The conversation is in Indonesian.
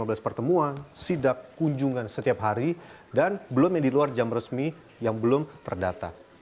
sepuluh sampai lima belas pertemuan sidak kunjungan setiap hari dan belum ada yang diluar jam resmi yang belum terdata